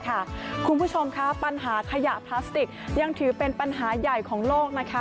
คุณผู้ชมค่ะปัญหาขยะพลาสติกยังถือเป็นปัญหาใหญ่ของโลกนะคะ